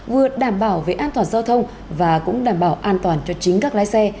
vừa đảm bảo về an toàn giao thông và cũng đảm bảo an toàn cho chính các lái xe